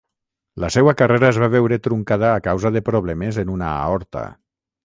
La seua carrera es va veure truncada a causa de problemes en una aorta.